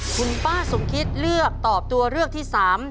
คุณป้าสมคิตเลือกตอบตัวเลือกที่๓